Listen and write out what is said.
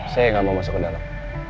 saya nggak mau masuk ke dalam